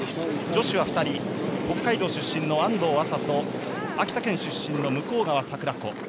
女子は２人北海道出身の安藤麻と秋田県出身の向川桜子。